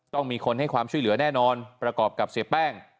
ต้องมีคนให้ความช่วยเหลือแน่นอนประกอบกับเสียแป้ง